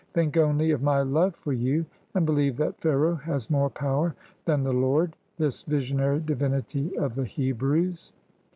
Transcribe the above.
Think only of my love for you, and beheve that Pharaoh has more power than the Lord, this visionary divinity of the Hebrews."